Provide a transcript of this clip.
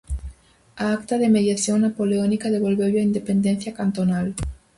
A Acta de Mediación napoleónica devolveulle a independencia cantonal.